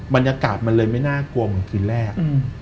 บรรยากาศมันเลยไม่น่ากลัวเหมือนคืนแรก